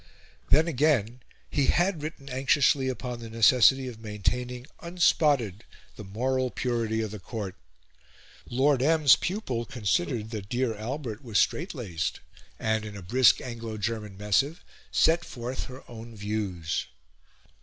Then, again, he had written anxiously upon the necessity of maintaining unspotted the moral purity of the Court. Lord M's pupil considered that dear Albert was strait laced, and, in a brisk Anglo German missive, set forth her own views.